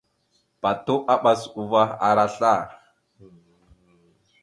Patu aɓas uvah ara sla.